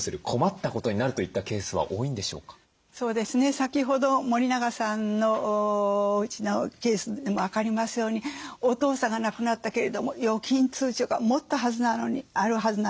先ほど森永さんのおうちのケースでも分かりますようにお父さんが亡くなったけれども預金通帳がもっとあるはずなのに見つからないとね。